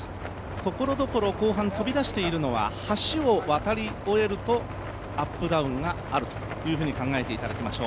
ところどころ後半、飛び出しているのは、橋を渡り終えるとアップダウンがあるというふうに考えていただきましょう。